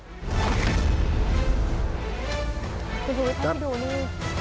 คุณผู้วิทยาลัยที่ดูนี่